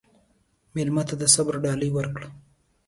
مېلمه ته د صبر ډالۍ ورکړه.